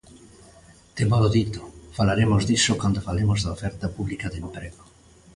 Témolo dito, falaremos diso cando falemos da oferta pública de emprego.